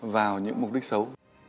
vào những mục đích xấu